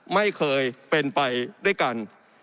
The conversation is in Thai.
ไม่เคยเป็นไปด้วยกัน